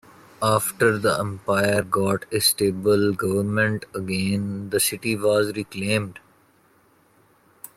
After the empire got a stable government again, the city was reclaimed.